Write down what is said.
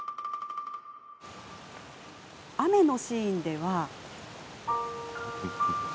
雨のシーンでは。